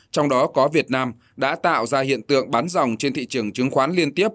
trong đó có việt nam đã tạo ra hiện tượng bán dòng trên thị trường chứng khoán liên tiếp